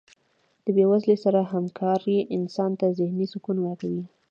د بې وزلو سره هکاري انسان ته ذهني سکون ورکوي.